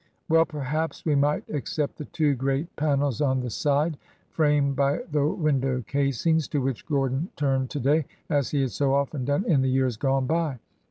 Well, perhaps we might except the two great panels on the side, framed by the window casings, to which Gor don turned to day, as he had so often done in the years gone by.